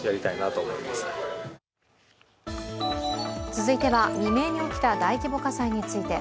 続いては未明に起きた大規模火災について。